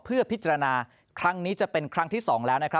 เพื่อพิจารณาครั้งนี้จะเป็นครั้งที่๒แล้วนะครับ